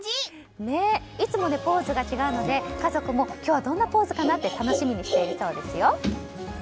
いつもとポーズが違うので家族も今日はどんなポーズかなって楽しみにしているそうですよ。